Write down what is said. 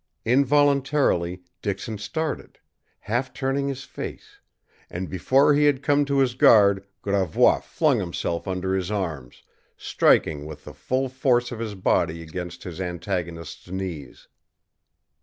Involuntarily Dixon started, half turning his face, and before he had come to his guard Gravois flung himself under his arms, striking with the full force of his body against his antagonist's knees.